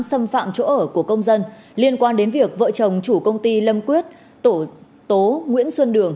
xâm phạm chỗ ở của công dân liên quan đến việc vợ chồng chủ công ty lâm quyết tổ tố nguyễn xuân đường